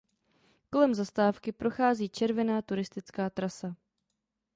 Kolem zastávky prochází červená turistická trasa.